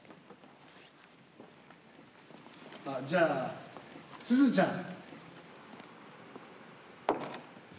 あっじゃあすずちゃん。